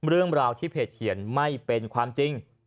เรื่องราวที่เพจเขียนไม่เป็นความจริง